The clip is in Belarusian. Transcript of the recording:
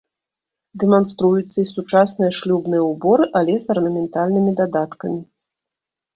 Дэманструюцца і сучасныя шлюбныя ўборы, але з арнаментальнымі дадаткамі.